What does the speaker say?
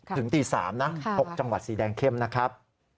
ถึงตี๓นะ๖จังหวัดสีแดงเข้มนะครับ